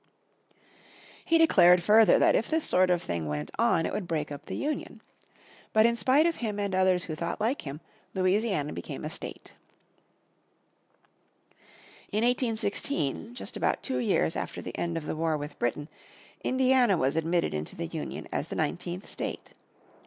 He declared further that if this sort of thing went on it would break up the Union. But in spite of him and others who thought like him Louisiana became a state in 1812. In 1816, just about two years after the end of the war with Britain, Indiana was admitted into the Union as the nineteenth state.